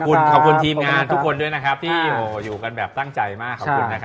ขอบคุณทีมงานทุกคนที่อยู่กันแบบตั้งใจมาก